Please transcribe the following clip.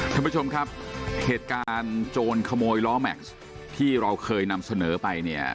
ท่านผู้ชมครับเหตุการณ์โจรขโมยล้อแม็กซ์ที่เราเคยนำเสนอไปเนี่ย